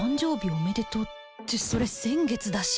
おめでとうってそれ先月だし